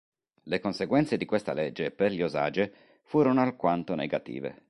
Le conseguenze di questa legge per gli Osage furono alquanto negative.